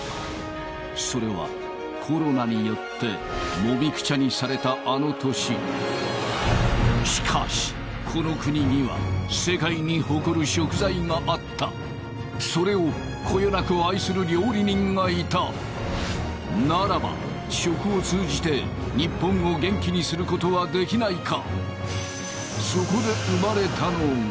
それはコロナによってもみくちゃにされたあの年しかしこの国には世界に誇る食材があったそれをこよなく愛する料理人がいたならば食を通じて日本を元気にすることはできないか